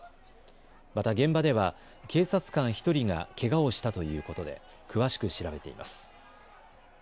また現場では警察官１人がけがをしたということで詳しく調べています。